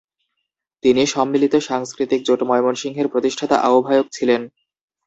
তিনি সম্মিলিত সাংস্কৃতিক জোট ময়মনসিংহের প্রতিষ্ঠাতা আহ্বায়ক ছিলেন।